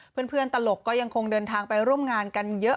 เป็นเพื่อนตลกก็ยังคงเดินทางไปร่วมงานกันเยอะ